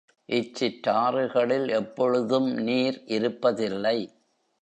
இச் சிற்றாறுகளில் எப்பொழுதும் நீர் இருப்பதில்லை.